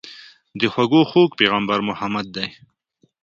د خوږو خوږ پيغمبر محمد دي.